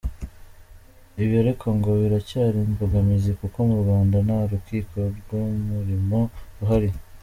Ibi ariko ngo biracyari imbogamizi kuko mu Rwanda nta rukiko rw’umurimo ruhari.